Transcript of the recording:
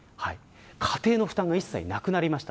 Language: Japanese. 家庭の負担が一切なくなりました。